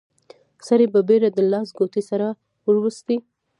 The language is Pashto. سړي په بيړه د لاس ګوتې سره وروستې.